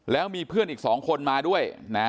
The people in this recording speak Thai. แล้วมีเพื่อนอีก๒คนมาด้วยนะ